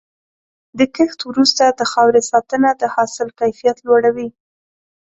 د کښت وروسته د خاورې ساتنه د حاصل کیفیت لوړوي.